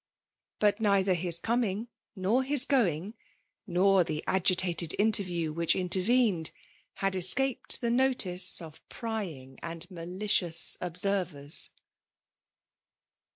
But neither his coming nor his going, nor the agitated interview which intervened, bad es caped the notice of pfyit^g and malicioiis observers.